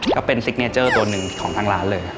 ก็เป็นซิกเนเจอร์ตัวหนึ่งของทางร้านเลย